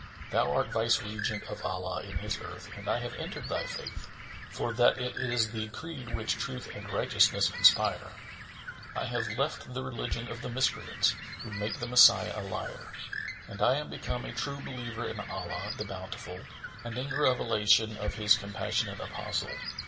Thou art Viceregent of Allah in His earth and I have entered thy Faith, for that it is the creed which Truth and Righteousness inspire; and I have left the religion of the Miscreants who make the Messiah a liar,[FN#21] and I am become a True Believer in Allah the Bountiful and in the revelation of His compassionate Apostle.